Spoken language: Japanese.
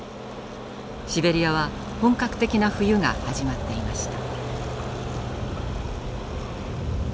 シベリアは本格的な冬が始まっていました。